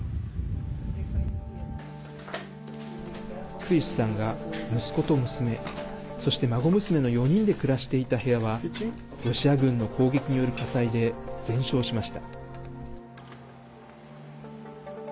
クリシュさんが、息子と娘そして、孫娘の４人で暮らしていた部屋はロシア軍の攻撃による火災で全焼しました。